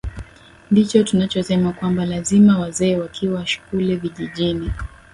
ndicho tunachosema kwamba lazima wazee wakiwa kule vijijini